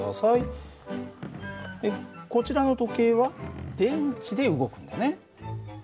こちらの時計は電池で動くんだね。